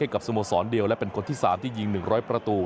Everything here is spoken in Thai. ให้กับสมสรณ์เดียวและเป็นคนที่สามที่ยิงหนึ่งร้อยประตู